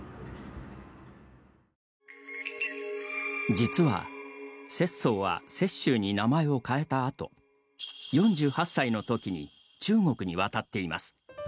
実は拙宗は雪舟に名前を変えたあと４８歳のときに中国に渡っています。